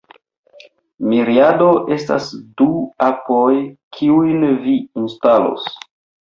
Miriado estas du apoj kiujn vi instalos